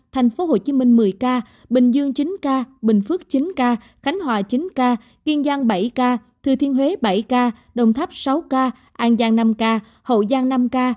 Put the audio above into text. thành phố hồ chí minh một mươi ca bình dương chín ca bình phước chín ca khánh hòa chín ca kiên giang bảy ca thư thiên huế bảy ca đồng tháp sáu ca an giang năm ca hậu giang năm ca